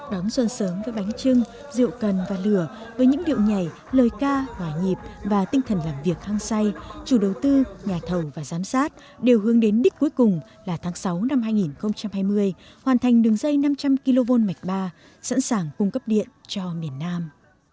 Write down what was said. đón xuân sớm với bánh trưng rượu cần và lửa với những điệu nhảy lời ca hỏa nhịp và tinh thần làm việc hăng say chủ đầu tư nhà thầu và giám sát đều hướng đến đích cuối cùng là tháng sáu năm hai nghìn hai mươi hoàn thành đường dây năm trăm linh kv mạch ba sẵn sàng cung cấp điện cho miền nam